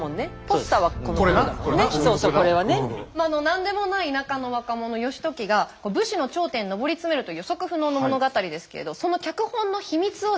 何でもない田舎の若者義時が武士の頂点に上り詰めるという予測不能の物語ですけれどその脚本の秘密をですね